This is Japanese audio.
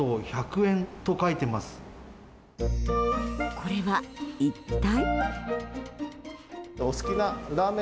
これは一体？